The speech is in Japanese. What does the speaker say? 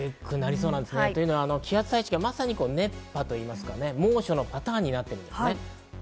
というのは、気圧配置がまさに熱波といいますか、猛暑のパターンになっているんです。